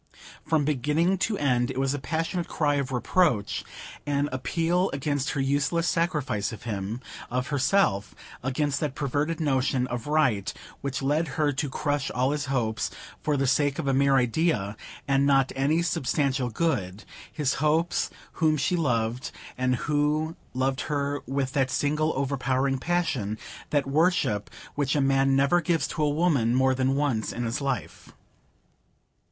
From beginning to end it was a passionate cry of reproach; an appeal against her useless sacrifice of him, of herself, against that perverted notion of right which led her to crush all his hopes, for the sake of a mere idea, and not any substantial good,—his hopes, whom she loved, and who loved her with that single overpowering passion, that worship, which a man never gives to a woman more than once in his life.